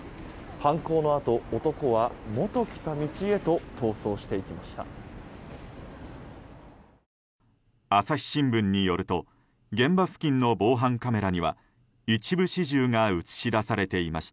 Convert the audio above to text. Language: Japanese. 犯行のあと男は元来た道へと逃走していきました。